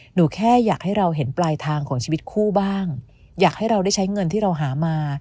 แค่อยากให้เราเห็นปลายทางของชีวิตคู่บ้างอยากให้เราได้ใช้เงินที่เราหามา